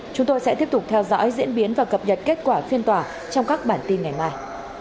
chúng tôi sẽ tiếp tục theo dõi diễn biến và cập nhật kết quả phiên tòa trong các bản tin ngày mai